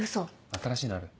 新しいのある？